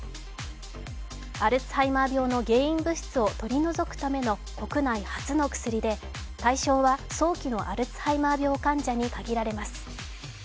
アルツハイマー病の原因物質を取り除くための国内初の薬で、対象は早期のアルツハイマー病患者に限られます。